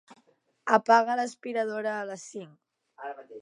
Apaga l'aspiradora a les cinc.